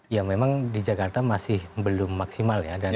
ya memang di jakarta masih belum maksimal ya